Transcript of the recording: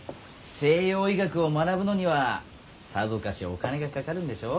西洋医学を学ぶのにはさぞかしお金がかかるんでしょう？